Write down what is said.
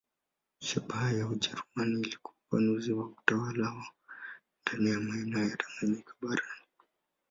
Shabaha ya Wajerumani ilikuwa upanuzi wa utawala wao ndani ya maeneo ya Tanganyika barani.